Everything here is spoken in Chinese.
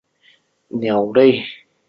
生于康熙十一年。